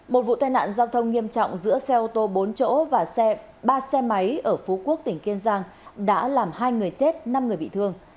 một vụ tai nạn giao thông nghiêm trọng giữa xe ô tô bốn chỗ và ba xe máy ở phú quốc tỉnh kiên giang đã làm hai người chết năm người bị thương